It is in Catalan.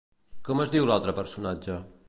Com es diu l'altre personatge?